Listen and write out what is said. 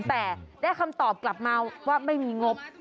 แต่ได้คำตอบกลับมาว่าไม่มีงบ